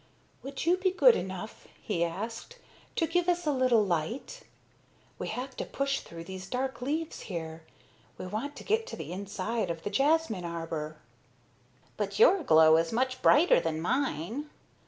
"Would you be good enough," he asked, "to give us a little light? We have to push through these dark leaves here; we want to get to the inside of the jasmine arbor." "But your glow is much brighter than mine."